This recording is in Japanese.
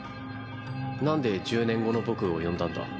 なんで１０年後の僕を呼んだんだ？